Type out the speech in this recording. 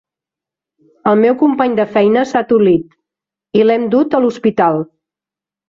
El meu company de feina s'ha tolit i l'hem dut a l'hospital.